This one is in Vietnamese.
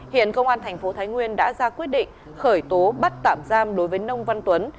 hiện công an thành phố thái nguyên đã ra quyết định khởi tố bắt tạm giam đối với nông văn tuấn